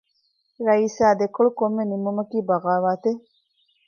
ރައީސާ ދެކޮޅު ކޮންމެ ނިންމުމަކީ ބަޣާވާތެއް؟